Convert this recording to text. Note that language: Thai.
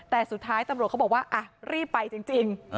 แต่สุดท้ายตำรวจเขาบอกว่ารีบไปจริง